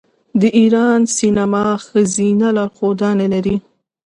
د ایران سینما ښځینه لارښودانې لري.